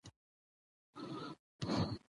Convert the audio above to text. له هيلې سره سمې راخېژي،